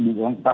di uang kecil